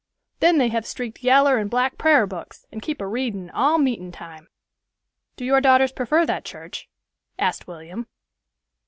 Then they have streaked yaller and black prar books and keep a readin' all meetin' time." "Do your daughters prefer that church?" asked William.